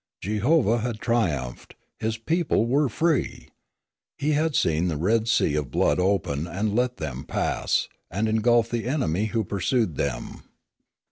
Jehovah had triumphed, his people were free. He had seen the Red Sea of blood open and let them pass, and engulf the enemy who pursued them.